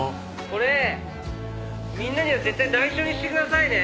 「これみんなには絶対内緒にしてくださいね」